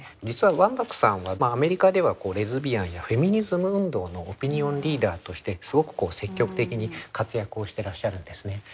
実はワンバックさんはアメリカではレズビアンやフェミニズム運動のオピニオンリーダーとしてすごく積極的に活躍をしてらっしゃるんですね。